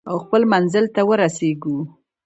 او خپل منزل ته ورسیږو.